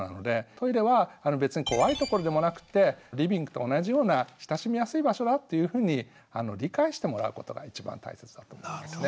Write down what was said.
トイレは別に怖い所でもなくってリビングと同じような親しみやすい場所だっていうふうに理解してもらうことが一番大切だと思いますね。